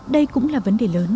đây cũng là vấn đề lớn